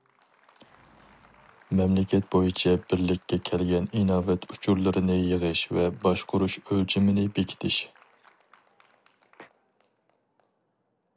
مەملىكەت بويىچە بىرلىككە كەلگەن ئىناۋەت ئۇچۇرلىرىنى يىغىش ۋە باشقۇرۇش ئۆلچىمىنى بېكىتىش.